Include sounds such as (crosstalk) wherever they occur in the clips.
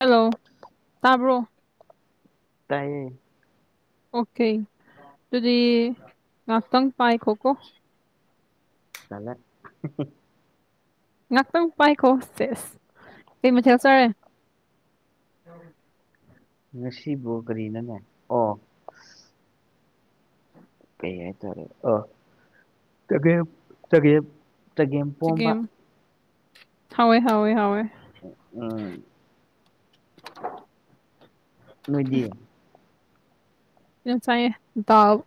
Hello ꯇꯥꯕ꯭ꯔꯣ ꯇꯥꯏꯌꯦ okay ꯑꯗꯨꯗꯤ ꯈꯥꯛꯇꯪꯒ ꯄꯥꯏ ꯈꯣꯀꫭ (unintelligible) ꯉꯥꯛꯇꯪ ꯄꯥꯏꯈꯣ ꯁꯦꯁ ꯀꯩ ꯃꯊꯦꯜ ꯆꯥꯔꯦ ꯉꯁꯤꯕꯨ ꯀꯔꯤꯅꯅꯦ ꯑꯣ ꯀꯩ ꯍꯥꯏ ꯇꯔꯦ (unintelligible) ꯍꯥꯎꯑꯦ ꯍꯥꯎꯑꯦ ꯎꯝ ꯅꯣꯏꯗꯤ (unintelligible) ꯇꯥꯎ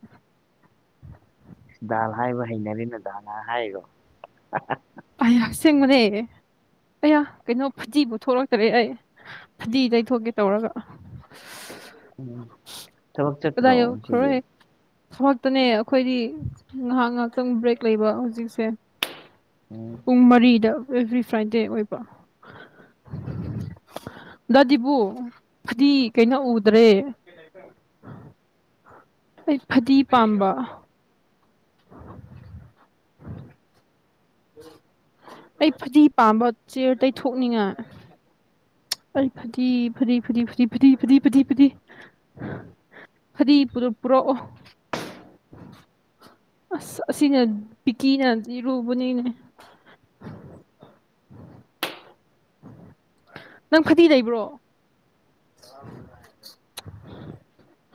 ꯗꯥꯜ ꯍꯥꯏꯕ ꯍꯩꯅꯔꯤꯅ ꯗꯥꯅ ꯍꯥꯏꯔꯣ ꯑꯩꯌꯥ ꯑꯁꯦꯡꯕꯅꯦ ꯑꯩꯌꯥ ꯀꯩꯅꯣ ꯐꯗꯤ ꯄꯨꯊꯣꯛꯂꯛꯇꯔꯦ ꯑꯩ ꯐꯗꯤ ꯇꯩꯊꯣꯛꯀꯦ ꯇꯧꯔꯒ ꯎꯝ ꯊꯕꯛ ꯀꯗꯥ ꯆꯠꯇ꯭ꯔꯣ ꯌꯣ ꯈꯔ ꯉꯁꯤꯗꯤ ꯍꯥꯏ (unintelligible) ꯑꯩꯈꯣꯏꯗꯤ ꯉꯥꯏꯍꯥꯛ ꯉꯥꯏꯍꯥꯛꯇꯪ ꯕ꯭ꯔꯦꯛ ꯂꯩꯕ ꯍꯧꯖꯤꯛꯁꯦ ꯎꯝ ꯄꯨꯡ ꯃꯔꯤꯗ ꯑꯦꯕ꯭ꯔꯤ ꯐ꯭ꯔꯥꯏꯗꯦ ꯑꯣꯏꯕ ꯗꯥꯗꯤꯕꯨ ꯐꯗꯤ ꯀꯩꯅꯣ ꯎꯗ꯭ꯔꯦ ꯑꯩ ꯐꯗꯤ ꯄꯥꯝꯕ (inaudible) ꯑꯩ ꯐꯗꯤ ꯄꯥꯝꯕ ꯆꯤꯌꯔ ꯇꯩꯊꯅꯤꯡꯉ ꯑꯩ ꯐꯗꯤ ꯐꯗꯤ ꯐꯗꯤ ꯐꯗꯤ ꯐꯗꯤ ꯐꯗꯤ ꯐꯗꯤ ꯫ ꯐꯗꯤ ꯄꯨꯔꯛꯄꯔꯣ ꯑꯁ ꯑꯁꯤꯅꯦ ꯕꯤꯀꯤꯅꯗꯤ ꯏꯔꯨꯕꯅꯤꯅꯦ ꯅꯪ ꯐꯗꯤ ꯂꯩꯕ꯭ꯔꯣ (unintelligible)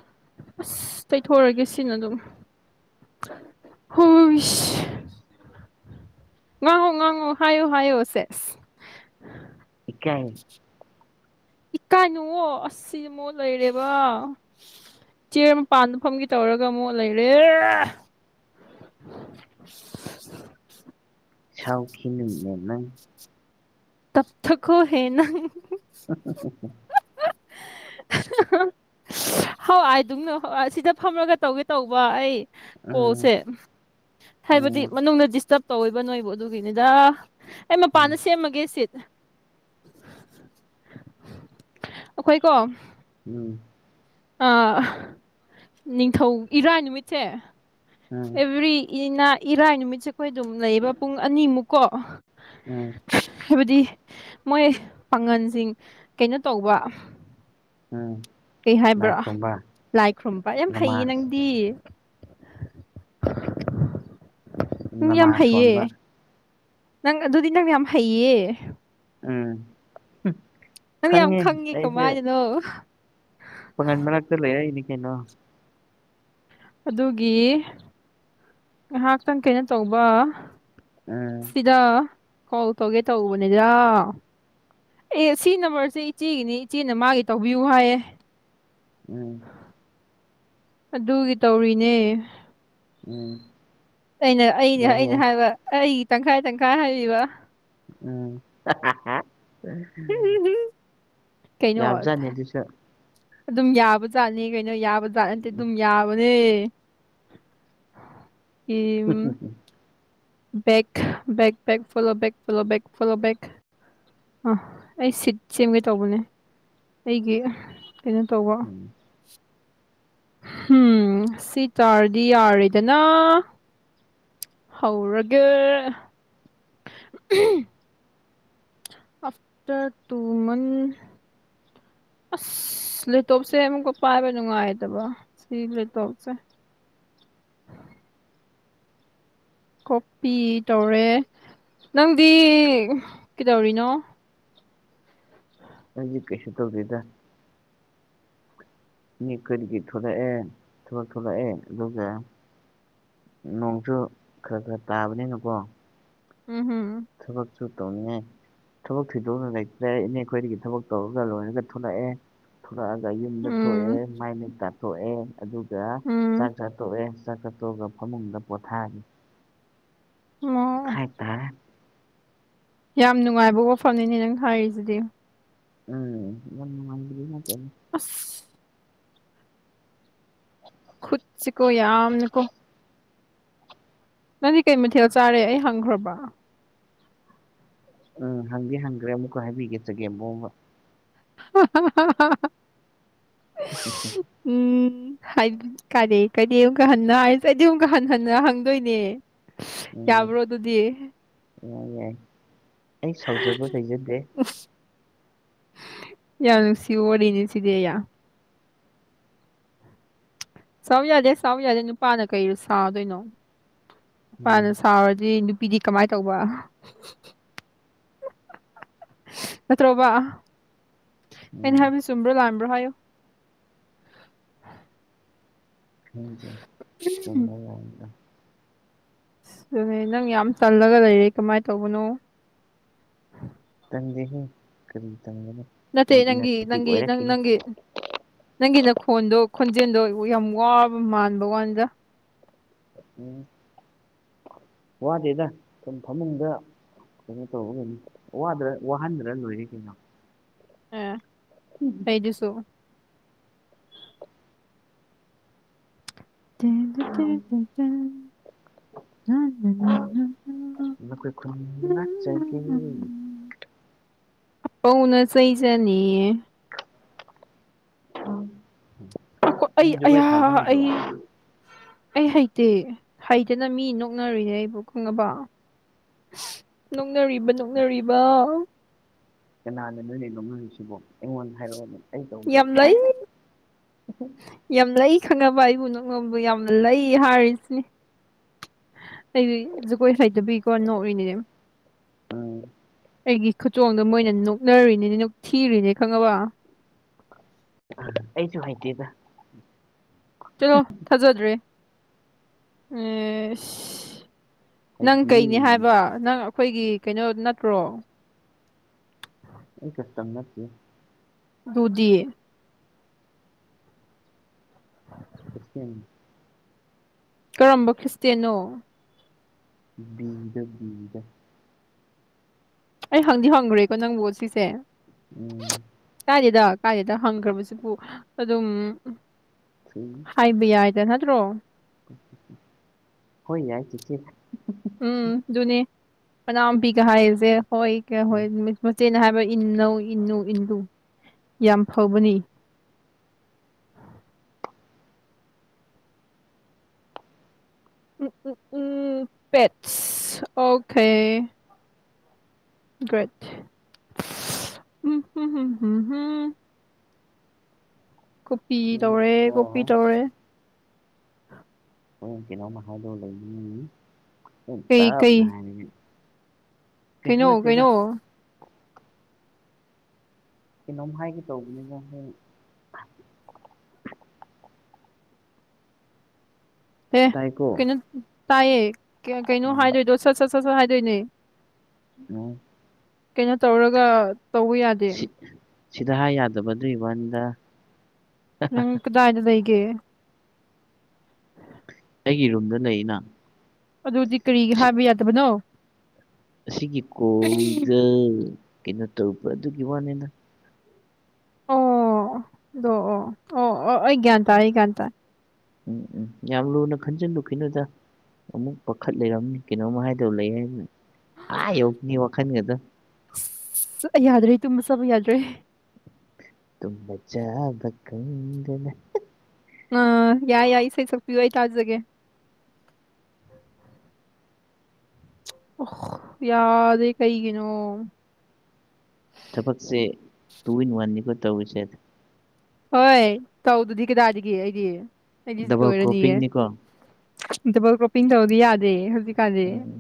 ꯑꯁ ꯇꯩꯊꯣꯛꯑꯒꯦ ꯁꯤꯅ ꯑꯗꯨꯝ ꯍꯨꯏꯁ ꯉꯥꯡꯉꯣ ꯉꯥꯡꯉꯣ ꯍꯥꯏꯌꯣ ꯍꯥꯏꯌꯣ ꯁꯦꯁ ꯏꯀꯥꯏꯌꯦ ꯏꯀꯥꯏꯅꯨꯑꯣ ꯑꯁ ꯁꯤꯗꯤ ꯃꯣꯠ ꯂꯩꯔꯦꯕ ꯆꯦꯌꯔ ꯃꯄꯥꯟꯗꯐꯝꯒꯤ ꯇꯧꯔꯒ ꯑꯃꯨꯛ ꯂꯩꯔꯦ ꯁꯥꯎꯈꯤꯅꯃꯦ ꯅꯪ ꯇꯞꯊ ꯀꯣ ꯍꯦꯅ ꯑ ꯑ (inaudible) ꯍꯣꯏꯥꯏꯗꯨꯅ ꯍ ꯁꯤꯗ ꯐꯝꯔꯒ ꯇꯧꯒꯦ ꯇꯧꯕ ꯑꯩ ꯎꯝ ꯀꯣꯜꯁꯦ ꯍꯥꯏꯕꯗꯤ ꯎꯝ ꯃꯅꯨꯡꯗ ꯗꯤꯁꯇꯔꯕ ꯇꯧꯕ ꯅꯣꯏꯕꯨ ꯑꯗꯨꯒꯤꯅꯤꯗ ꯑꯩ ꯎꯝ ꯃꯄꯥꯟꯗ ꯁꯦꯝꯃꯒꯦ ꯑꯩꯈꯣꯏ ꯀꯣ ꯎꯝ ꯑꯥ ꯅꯤꯡꯊꯧ ꯏꯔꯥꯏ ꯅꯨꯃꯤꯠꯁꯦ ꯎꯝ ꯑꯦꯚ꯭ꯔꯤ ꯏꯅ ꯏꯔꯥꯏ ꯅꯨꯃꯤꯠꯁꯦ ꯑꯩꯈꯣꯏ ꯑꯗꯨꯝ ꯂꯩꯕ ꯄꯨꯡ ꯑꯅꯤꯃꯨꯛꯀꯣ ꯑꯥ ꯍꯥꯏꯕꯗꯤ ꯃꯣꯏ ꯄꯥꯉꯜꯁꯤꯡ ꯀꯩꯅꯣ ꯇꯧꯕ ꯎꯝ ꯀꯩ ꯂꯥꯏ ꯍꯥꯏꯕ꯭ꯔꯣ ꯈꯨꯔꯨꯝꯕ ꯂꯥꯏ ꯈꯨꯔꯨꯝꯕ ꯌꯥꯝ ꯐꯩꯌꯦ ꯅꯃꯥꯖ ꯅꯪꯗꯤ ꯅꯪꯗꯤ ꯌꯥꯝ ꯅꯃꯥꯖ ꯍꯩꯌꯦ ꯁꯣꯟꯕ ꯅꯪ ꯑꯗꯨꯗꯤ ꯅꯪ ꯌꯥꯝ ꯍꯩꯌꯦ ꯎꯝ ꯅꯪ ꯌꯥꯝ ꯈꯪꯉꯦ ꯈꯪꯉꯤ ꯀꯃꯥꯏꯅꯅꯣ ꯐꯣꯅꯦꯜ ꯃꯔꯛꯇ ꯂꯩꯌꯦ ꯍꯏꯗꯤ ꯀꯩꯅꯣ ꯑꯗꯨꯒꯤ ꯉꯥꯏꯍꯥꯛꯇꯪ ꯀꯩꯅꯣ ꯇꯧꯕ ꯎꯝ ꯁꯤꯗ ꯀꯣꯜ ꯇꯧꯒꯦ ꯇꯧꯕꯅꯤꯗ ꯑꯦ ꯁꯤ ꯅꯝꯕꯔꯁꯦ ꯏꯆꯦꯒꯤꯅꯤ ꯏꯆꯦꯅ ꯃꯥꯒꯤ ꯇꯧꯕꯤꯌꯨ ꯍꯥꯏꯌꯦ ꯎꯝ ꯑꯗꯨꯒꯤ ꯇꯧꯔꯤꯅꯦ ꯎꯝ ꯑꯩꯅ ꯑꯩꯅꯦ ꯌꯥꯏ ꯑꯩꯅ ꯌꯥꯏ ꯍꯥꯏꯕ ꯑꯩ ꯇꯪꯈꯥꯏ ꯇꯪꯈꯥꯏ ꯍꯥꯏꯕꯤꯕ ꯎꯝ ꯀꯩꯅꯣ ꯌꯥꯕꯖꯥꯠꯅꯤ ꯑꯗꯨꯁꯨ ꯑꯗꯨꯝ ꯌꯥꯕ ꯖꯥꯠꯅꯦ ꯀꯩꯅꯣ ꯌꯥꯕ ꯖꯥꯠꯅꯤ ꯅꯠꯇꯦ ꯑꯗꯨꯝ ꯌꯥꯕꯅꯦ ꯏꯝ bag bag follow bag follow bag follow bag ꯑ ꯑꯩ ꯁꯤꯠ ꯁꯦꯝꯒꯦ ꯇꯧꯕꯅꯦ ꯑꯩꯒꯤ ꯀꯩꯅꯣ ꯇꯧꯕ ꯎꯝ ꯎꯝ ꯁꯤ ꯇꯥꯔꯗꯤ ꯌꯥꯔꯦꯗꯅ ꯍꯧꯔꯒꯦ ꯑꯥꯐꯇꯔ ꯇꯨ ꯃꯟ ꯑꯁ ꯂꯦꯞꯇꯣꯞꯁꯦ ꯑꯃꯨꯛꯀ ꯄꯥꯏꯕ ꯅꯨꯡꯉꯥꯏꯗꯕ ꯁꯤ ꯂꯦꯞꯇꯣꯞꯁꯦ ꯀꯣꯄꯤ ꯇꯧꯔꯦ ꯅꯪꯗꯤ ꯀꯩꯗꯧꯔꯤꯅꯣ ꯑꯩꯗꯤ ꯀꯩꯁꯨ ꯇꯧꯗꯦꯗ ꯃꯤ ꯀꯔꯤꯒꯤ ꯊꯣꯔꯛꯑꯦ ꯊꯣꯂꯛꯑꯦ ꯑꯗꯨꯒ ꯅꯣꯡꯁꯨ ꯈꯔ ꯈꯔ ꯇꯥꯕꯅꯤꯅꯀꯣ꯫ ꯎꯝ ꯍꯝ꯫ ꯊꯥꯕꯛꯁꯨ ꯇꯧꯅꯤꯡꯉꯥꯏ꯫ ꯊꯥꯕꯛꯁꯨ ꯇꯧꯅꯤꯉꯥꯏ ꯂꯩꯇ꯭ꯔꯦ ꯏꯅꯦ ꯑꯩ ꯈꯣꯏꯗꯒꯤ ꯊꯕꯛ ꯇꯧꯔꯒ ꯂꯣꯏꯔꯒ ꯊꯣꯛꯂꯛꯑꯦ꯫ ꯊꯣꯔꯛꯑꯒ ꯌꯨꯝꯗ ꯎꯝ ꯊꯣꯛꯑꯦ ꯃꯥꯏ ꯃꯤꯠ ꯇꯥꯊꯣꯛꯑꯦ ꯑꯗꯨꯒ ꯎꯝ ꯆꯥꯛ ꯆꯥꯊꯣꯛꯑꯦ ꯆꯥꯛ ꯆꯊꯣꯛ ꯑꯒ ꯐꯃꯨꯡꯗ ꯄꯣꯊꯥꯔꯤ ꯑꯣ ꯍꯥꯏꯇꯥꯔ ꯌꯥꯝ ꯅꯨꯡꯉꯥꯏꯕ ꯋꯥꯐꯝꯅꯤꯅꯦ ꯅꯪ ꯍꯥꯏꯔꯤꯁꯤꯗꯤ ꯎꯝ (unintelligible) ꯑꯁ꯫ ꯈꯨꯠꯁꯤꯀꯣ ꯌꯥꯝꯅꯀꯣ꯫ ꯅꯪꯗꯤ ꯀꯩ ꯃꯊꯦꯜ ꯆꯥꯔꯦ ꯑꯩ ꯍꯪꯈ꯭ꯔꯕ꯫ ꯎꯝ ꯍꯪꯗꯤ ꯍꯪꯈ꯭ꯔꯦ ꯑꯃꯨꯛꯀ ꯍꯥꯏꯕꯤꯒꯦ ꯆꯒꯦꯝ ꯄꯣꯝꯕ꯫ (unintelligible) (unintelligible) ꯎꯝ ꯍꯥꯏ ꯀꯔꯤ ꯑꯃꯨꯛꯀ ꯍꯟꯅ ꯍꯥꯏꯁꯦ ꯑꯩꯗꯤ ꯑꯃꯨꯛꯀ ꯍꯟ ꯍꯟꯅ ꯍꯪꯗꯣꯏꯅꯦ ꯎꯝ ꯌꯥꯕ꯭ꯔꯣ ꯑꯗꯨꯗꯤ ꯌꯥꯏ ꯑꯩ ꯁꯥꯎꯖꯕ ꯂꯩꯩꯖꯗꯦ ꯌꯥꯝ ꯅꯨꯡꯁꯤꯕ ꯋꯥꯔꯤꯅꯤ ꯁꯤꯗꯤ ꯌꯥꯝ ꯁꯥꯎ ꯌꯥꯗꯦ ꯁꯥꯎ ꯌꯥꯗꯦ ꯅꯨꯄꯥꯅ ꯀꯩꯁꯨ ꯁꯥꯎꯗꯣꯏꯅꯣ ꯎꯝ ꯅꯨꯄꯥꯅ ꯁꯥꯎꯔꯗꯤ ꯅꯨꯄꯤꯗꯤ ꯀꯃꯥꯏꯅ ꯇꯧꯕ ꯅꯠꯇ꯭ꯔꯕ ꯑꯩꯅ ꯎꯝ ꯍꯥꯏꯕ ꯆꯨꯝꯕ꯭ꯔꯣ ꯂꯥꯥꯟꯕ꯭ꯔꯣ ꯍꯥꯏꯌꯨ ꯆꯨꯝꯃꯦ ꯑꯗꯨꯅꯦ ꯌꯥꯝꯅꯥ ꯑꯗꯨꯅꯦ ꯅꯪ ꯌꯥꯝ ꯇꯜꯂꯒ ꯂꯩꯔꯦ ꯀꯃꯥꯏꯅ ꯇꯧꯕꯅꯣ ꯇꯟꯗꯦꯍꯦ ꯀꯔꯤ ꯇꯟꯗꯣꯏꯅꯣ ꯅꯠꯇꯦ ꯅꯪꯒꯤ ꯅꯪꯒꯤ ꯅꯪ ꯅꯪꯒꯤ ꯅꯪꯒꯤ ꯅꯈꯣꯟꯗꯣ ꯈꯣꯟꯖꯦꯜꯗꯣ ꯌꯥꯝ ꯋꯥꯕ ꯃꯥꯟꯕ ꯋꯥꯅꯤꯗ ꯎꯝ ꯋꯥꯗꯦꯗ ꯁꯨꯝ ꯐꯃꯨꯡꯗ ꯀꯩꯅꯣ ꯇꯧꯕꯒꯅꯤꯗ ꯋꯥꯍꯟꯗ꯭ꯔ ꯂꯣꯏꯔꯦ ꯀꯩꯅꯣ ꯑ ꯀꯩꯗꯁꯨ (unintelligible) ꯈꯣꯏ ꯈꯨꯟꯗ ꯂꯛꯆꯥꯒꯦ ꯄꯧꯅ ꯆꯩꯖꯅꯤ ꯑꯈꯣ ꯑꯩ ꯅꯪ ꯒꯣꯏ ꯑꯌꯥ ꯁꯥꯕ ꯍꯩꯕꯔꯣ ꯑꯩ ꯑꯩ ꯍꯩꯇꯦ ꯍꯩꯗꯅ ꯃꯤ ꯅꯣꯛꯅꯔꯨꯌꯦ ꯑꯩꯕꯨ ꯈꯪꯉꯕꯣ ꯅꯣꯛꯅꯔꯤꯕ ꯅꯣꯛꯅꯔꯤꯕ ꯀꯅꯥꯅ ꯅꯣꯛ ꯅꯔꯤꯕ ꯑꯩꯉꯣꯟꯗ ꯍꯥꯏꯔꯛꯑꯣ ꯑꯩ ꯇꯧꯒꯦ ꯌꯥꯝ ꯂꯩ ꯌꯥꯝ ꯂꯩ ꯈꯪꯅꯕ ꯑꯩꯕꯨ ꯅꯣꯛꯅꯕ ꯌꯥꯝ ꯂꯩ ꯍꯥꯏꯔꯤꯁꯤꯅꯦ ꯑꯩꯗꯤ ꯖꯒꯣꯏ ꯍꯩꯇꯕꯒꯤꯀꯣ ꯅꯣꯛꯔꯤꯅꯦ ꯑꯝ ꯑꯩꯒꯤ ꯈꯨꯆꯣꯡꯗꯣ ꯃꯣꯏꯅ ꯅꯣꯛꯅꯔꯨꯔꯤꯅꯤꯅꯦ ꯅꯣꯛꯊꯤꯔꯤꯅꯦ ꯈꯪꯉꯕ ꯑꯩꯁꯨ ꯍꯩꯇꯦꯗ ꯆꯂꯣ ꯊꯥꯖꯗ꯭ꯔꯦ ꯅꯪ ꯍꯩꯇꯤꯌꯦ ꯀꯩꯅꯦ ꯍꯥꯏꯕ ꯅꯪ ꯑꯩꯈꯣꯏꯒꯤ ꯀꯩꯅꯣ ꯅꯠꯇ꯭ꯔꯣ ꯑꯩ ꯀꯁꯇꯝ ꯅꯠꯇꯦ ꯑꯗꯨꯗꯤ (inaudible) ꯑꯝ ꯀꯔꯝꯕ ꯈ꯭ꯔꯤꯁꯇꯌꯥꯅꯣ ꯕꯤꯗ ꯕꯤꯗ ꯑꯩ ꯍꯪꯗꯤ ꯍꯪꯈ꯭ꯔꯦꯀꯣ ꯅꯪꯕꯨ ꯁꯤꯁꯦ ꯎꯝ ꯀꯥꯏꯗꯦꯗ ꯀꯥꯏꯗꯦꯗ ꯍꯪꯈ꯭ꯔꯕꯁꯤꯕꯨ ꯑꯗꯨꯝ ꯑꯩ ꯍꯥꯏꯕ ꯌꯥꯏꯗ ꯅꯠꯇ꯭ꯔꯣ ꯍꯣꯏ ꯌꯥꯏꯆꯦ ꯎꯝ ꯑꯗꯨꯅꯦ ꯃꯅꯥꯝꯄꯤꯒ ꯍꯥꯏꯔꯤꯁꯦ ꯍꯣꯏ ꯀ ꯍꯣꯏ ꯅꯨꯠ ꯃꯆꯦꯅ ꯍꯥꯏꯕ ꯏꯟꯅꯧ ꯏꯟꯅꯨ ꯏꯟꯂꯨ ꯌꯥꯝ ꯐꯕꯅꯤ ꯎꯝ ꯎꯝ ꯎꯝ ꯄꯦꯠꯁ ꯑꯣꯀꯦ ꯭ꯔꯦꯠ ꯎ ꯀꯣꯄꯤ ꯇꯧꯔꯦ ꯀꯣꯄꯤ ꯅꯉꯣꯟꯗ ꯇꯧꯔꯦ ꯑꯩ ꯀꯩꯅꯣꯝꯃ ꯍꯥꯏꯗꯣ ꯂꯩꯅꯤꯡꯉꯅꯤ ꯀꯩ, ꯀꯩ, ꯇꯞꯅ ꯍꯥꯏꯅꯤꯡꯉꯤ ꯀꯩꯅꯣ ꯀꯩꯅꯣ ꯀꯩꯅꯣꯝ ꯍꯥꯏꯒꯦ ꯇꯧꯕꯅꯤꯗꯥ (unintelligible) ꯑꯦ ꯇꯥꯏꯀꯣ ꯀꯩꯅꯣ ꯇꯥꯏꯌꯦ ꯀꯩꯅꯣ ꯎꯝ ꯍꯥꯏꯗꯣꯏꯗꯣ ꯁꯠ ꯁꯠ ꯁꯠ ꯁꯠ ꯍꯥꯏꯗꯣꯏꯅꯦ (unintelligible) ꯀꯩꯅꯣ ꯇꯧꯔꯒ ꯇꯧꯕ ꯌꯥꯗꯦ ꯁꯤ ꯁꯤꯗ ꯍꯥꯏ ꯌꯥꯗꯕꯗꯨꯒꯤ ꯋꯥꯟꯗ ꯅꯪ ꯀꯗꯥꯏꯗ ꯂꯩꯒꯦ ꯑꯩꯒꯤꯔꯨꯝꯗ ꯂꯩꯅ ꯑꯗꯨꯗꯤ ꯀꯔꯤ ꯍꯥꯏꯕ ꯌꯥꯗꯕꯅꯣ ꯑꯁꯤꯒꯤ ꯀꯣꯜꯒ ꯀꯩꯅꯣ ꯇꯧꯕ ꯑꯗꯨꯒꯤ ꯋꯥꯅꯤꯅ ꯑꯣꯗꯣ ꯑꯣ ꯑꯣ ꯑꯣ ꯑꯩ ꯒꯌꯥꯟ ꯇꯥꯏ ꯑꯩ ꯒꯌꯥꯟ ꯎꯝ ꯎꯝ ꯌꯥꯝ ꯂꯨꯅ ꯈꯟꯖꯤꯟꯂꯨ ꯈꯤꯅꯨꯗ ꯑꯃꯨꯛ ꯄꯥꯈꯠ ꯂꯩꯔꯝꯅꯤ ꯀꯩꯅꯣꯝꯃ ꯍꯥꯏꯗꯧ ꯂꯩ ꯍꯥꯏꯗꯅ ꯑꯥ ꯌꯧꯈꯤꯅꯤ ꯋꯥꯈꯜꯒꯗ ꯑꯁ, ꯑꯩ ꯌꯥꯗ꯭ꯔꯦ ꯇꯨꯝꯕ ꯆꯥꯕ ꯌꯥꯗ꯭ꯔꯦ ꯇꯨꯝ ꯆꯥꯕ ꯈꯪꯗꯅ ꯑ ꯌꯥꯏ ꯌꯥꯏ ꯏꯁꯩ ꯁꯛꯄꯤ ꯌꯨ ꯑꯩ ꯇꯥꯖꯒꯦ ꯑꯣ ꯌꯥꯗꯦ ꯀꯩꯒꯤꯅꯣ ꯊꯕꯛꯁꯦ ꯇꯨ ꯏꯟ ꯋꯥꯟꯅꯤꯈꯣꯏ ꯇꯧꯔꯤꯁꯦ ꯍꯣꯏ ꯇꯧꯗꯨꯗꯤ ꯀꯗꯥꯒ ꯑꯩꯗꯤ ꯑꯩꯗꯤ ꯗꯕꯜ ꯂꯣꯏꯔꯅꯤꯑꯦ ꯀ꯭ꯔꯣꯞꯄꯤꯡꯅꯤꯀꯣ ꯗꯕꯜ ꯀ꯭ꯔꯣꯞꯄꯤꯡ ꯇꯧꯔꯗꯤ ꯌꯥꯗꯦ ꯍꯧꯖꯤꯛꯀꯥꯟꯗꯤ ꯎꯝ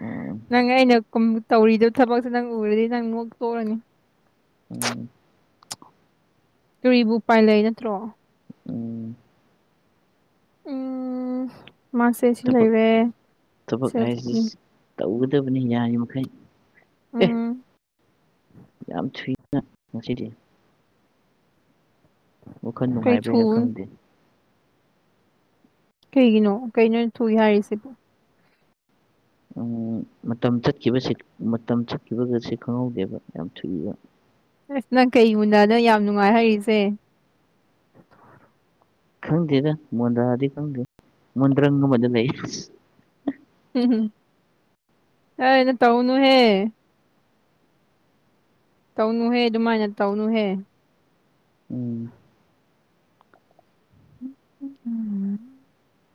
ꯎꯝ ꯅꯪ ꯑꯩꯅ ꯇꯧꯔꯤꯗꯕ ꯊꯕꯛꯁꯦ ꯅꯪ ꯎꯔꯗꯤ ꯅꯪ ꯅꯣꯛꯇꯣꯛꯔꯅꯤ ꯎꯝ ꯇꯨꯔꯤꯕꯨ ꯄꯥꯏ ꯂꯩꯛ ꯅꯠꯇ꯭ꯔꯣ ꯎꯝ ꯎ ꯃꯥꯁ ꯁꯤ ꯊꯕꯛ ꯂꯩꯥꯏꯔꯦ ꯊꯕꯛ ꯁꯦꯜꯐꯤ ꯍꯥꯏꯁꯤ ꯇꯧꯒꯗꯕꯅꯤ ꯌꯥꯔꯤꯕꯃꯩ ꯑꯦ ꯎꯝ ꯌꯥꯝ ꯊꯨꯏ ꯉꯁꯤꯗꯤ ꯋꯥꯈꯜ ꯀꯩ ꯊꯨ ꯅꯨꯡꯉꯥꯏꯕꯩꯔꯥ ꯈꯪꯗꯦ ꯀꯩꯒꯤꯅꯣ ꯀꯩꯅꯣ ꯊꯣꯛꯏ ꯍꯥꯏꯔꯤꯁꯤꯗꯤ ꯃꯇꯝ ꯆꯠꯈꯤꯕꯁꯤ ꯃꯇꯝ ꯆꯠꯈꯤꯕꯒꯁ ꯈꯪꯍꯧꯗꯦꯕ ꯌꯥꯝ ꯊꯨꯏꯕ ꯑꯁ ꯅꯪ ꯀꯩꯒꯨꯝꯟꯅꯅꯣ ꯌꯥꯝ ꯅꯨꯡꯉꯥꯏ ꯍꯥꯏꯔꯤꯁꯦ ꯈꯪꯗꯦꯗ ꯃꯨꯗ꯭ꯔꯥꯗꯤ ꯈꯪꯗꯦ ꯃꯨꯟꯗ꯭ꯔꯪ ꯑꯃꯗ ꯂꯩ ꯎꯝꯝ ꯑꯩꯅ ꯇꯧꯅꯨꯍꯦ ꯇꯧꯅꯨꯍꯦ ꯑꯗꯨꯃꯥꯏꯅ ꯇꯧꯅꯨꯍꯦ ꯎꯝ ꯎꯝ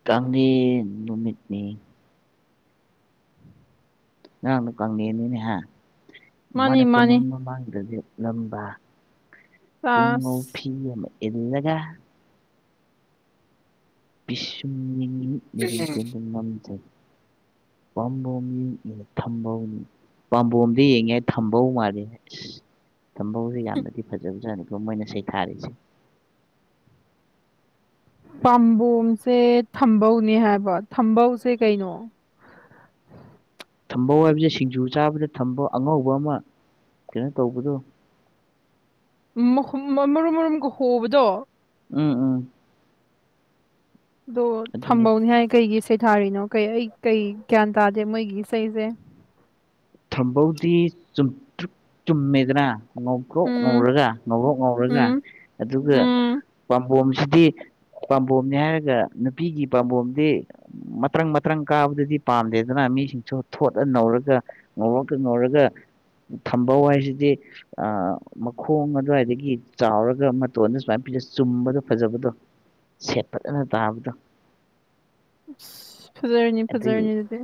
ꯀꯥꯡ ꯂꯦꯟ ꯅꯨꯃꯤꯠꯅꯤ ꯉꯔꯥꯡꯅ ꯀꯪꯂꯦꯟꯅꯤꯅꯦ ꯍ ꯃꯥꯅꯤ ꯃꯅꯥ ꯃꯥꯅꯤ ꯀꯨꯅꯨꯡ ꯃꯃꯥꯡꯗ ꯂꯦꯞꯂꯝꯕ ꯅꯝꯕ ꯄꯨꯡꯉꯧ ꯆꯥꯁ ꯐꯤ ꯑꯃ ꯏꯜꯂꯒ ꯢꯁ ꯃꯤꯅꯤ ꯃꯦꯔꯝ ꯀꯦꯟꯗ꯭ꯔ ꯃꯝ ꯇꯦ ꯄꯥꯝꯕꯣꯝ ꯑꯗꯨꯒ ꯊꯝꯕꯧ ꯄꯥꯝꯕꯣꯝꯗꯤ ꯌꯦꯡꯉꯦ ꯊꯝꯕꯧ ꯃꯥꯜꯂꯤ ꯇꯝꯕꯧꯁꯦ ꯌꯥꯝꯅꯗꯤ ꯐꯖꯕꯖꯥꯅꯤꯀꯣ ꯃꯣꯏꯅ ꯁꯩꯊꯥꯔꯤꯁꯦ ꯄꯥꯝꯕꯣꯝꯁꯦ ꯊꯝꯕꯧꯅꯦ ꯍꯥꯏꯕ ꯊꯝꯕꯧꯁꯦ ꯀꯩꯅꯣ ꯊꯝꯕꯧ ꯍꯥꯏꯕꯁꯦ ꯁꯤꯡꯖꯨ ꯆꯥꯕꯗ ꯊꯝꯕ ꯑꯉꯧꯕ ꯑꯃ ꯀꯩꯅꯣ ꯇꯧꯕꯗꯣ ꯃꯈꯨꯝ ꯃꯔꯨꯝ ꯃꯔꯨꯝꯒ ꯍꯣꯕꯗꯣ ꯎꯝ ꯎꯝ ꯑꯗꯣ ꯑꯗꯨꯅꯤ ꯊꯝꯕꯧꯅꯤ ꯍꯥꯏ ꯀꯩꯒꯤ ꯁꯩ ꯊꯥꯔꯤꯅꯣ ꯀꯩ ꯑꯩ ꯀꯩ ꯒ꯭ꯌꯥꯟ ꯇꯥꯗꯦ ꯃꯣꯏꯒꯤ ꯏꯁꯩꯁꯦ ꯊꯝꯕꯧꯗꯤ ꯆꯨꯝꯇꯛ ꯆꯨꯝꯃꯦꯗꯅ ꯉꯧꯕꯕ꯭ꯔꯣꯛ ꯎꯝ ꯉꯧꯔꯒ ꯉꯕ꯭ꯔꯣꯛ ꯉꯧꯔꯒ ꯎꯝ ꯑꯗꯨꯒ ꯎꯝ ꯄꯥꯝꯕꯣꯝꯁꯤꯗꯤ ꯄꯥꯝꯕꯣꯝꯅꯤ ꯍꯥꯏꯔꯒ ꯅꯨꯄꯤꯒꯤ ꯄꯥꯝꯕꯣꯝꯗꯤ ꯃꯇ꯭ꯔꯪ ꯃꯇ꯭ꯔꯪ ꯀꯥꯕꯗꯗꯤ ꯄꯥꯝꯗꯦꯗꯅ ꯃꯤꯁꯤꯡꯁꯨ ꯊꯣꯠꯂ ꯅꯧꯔꯒ ꯉꯔꯀ ꯉꯧꯔꯒ ꯊꯝꯕ ꯍꯥꯏꯁꯤꯗꯤ ꯑ ꯃꯈꯣꯡ ꯑꯗꯨꯋꯥꯏꯗꯒꯤ ꯆꯥꯎꯔꯒ ꯃꯇꯣꯟꯗ ꯁꯨꯃꯥꯏꯅ ꯄꯤꯖ ꯆꯨꯝꯕꯗꯣ ꯐꯖꯕꯗꯣ ꯁꯦꯠ ꯐꯖꯅ ꯇꯥꯕꯗꯣ ꯑ ꯐꯖꯔꯅꯤ ꯐꯖꯔꯅꯤ ꯑꯗꯨꯗꯤ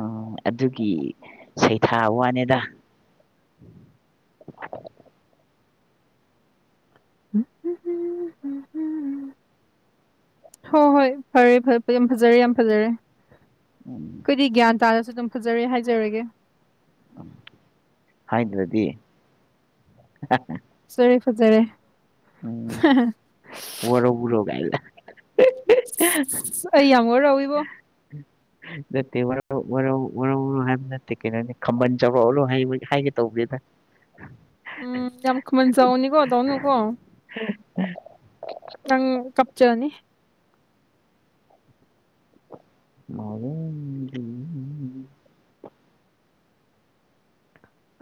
ꯎ ꯑꯗꯨꯒꯤ ꯁꯩꯊꯥ ꯋꯥꯅꯦꯗ (unintelligible) ꯍꯣ ꯍꯣꯏ ꯐꯔꯦ ꯌꯥꯝ ꯐꯖꯔꯦ ꯌꯥꯝ ꯐꯖꯔꯦ ꯎꯝ ꯑꯈꯣꯏꯗꯤ ꯒ꯭ꯌꯥꯟ ꯇꯥꯔꯁꯨ ꯑꯗꯨꯝ ꯐꯖꯔꯦ ꯍꯥꯏꯖꯔꯒꯦ ꯍꯥꯏꯗ꯭ꯔꯗꯤ ꯁꯔꯦ ꯐꯖꯔꯦ ꯎꯝ ꯋꯥꯔꯧꯕꯔꯣ ꯀꯥꯢꯅ ꯑꯩ ꯌꯥꯝ ꯑꯣꯏꯔꯥꯎꯏꯕꯣ (unintelligible) ꯅꯠꯇꯦ ꯋꯥꯔꯧ ꯋꯥꯔꯧ ꯋꯥꯔꯧ ꯋꯥꯔꯧ ꯍꯥꯏꯕ ꯅꯠꯇꯦ ꯀꯩꯅꯣꯅꯤ ꯈꯝꯕꯟ ꯆꯥꯎꯔꯣꯕ ꯍꯥꯏꯒꯦ ꯇꯧꯕꯅꯤꯗ ꯎꯝ ꯌꯥꯝ ꯈꯝꯕꯟ ꯆꯥꯎꯕꯅꯤ ꯀꯣ ꯇꯧꯅꯨ ꯀꯣ (unintelligible) ꯅꯪ ꯀꯞꯆꯅꯤ ꯃꯂꯦꯝꯒꯤ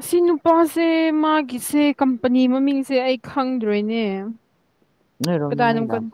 ꯑꯁꯤ ꯅꯨꯄꯥꯁꯦ ꯃꯥꯒꯤꯁꯦ ꯀꯝꯄꯅꯤ ꯃꯃꯤꯡꯁꯦ ꯑꯩ ꯈꯪꯗ꯭ꯔꯦꯅꯦ (unintelligible) ꯅꯣꯏꯔꯣꯝꯗ ꯃꯩ ꯀꯗꯥꯏꯅꯣꯝ ꯂꯥꯛ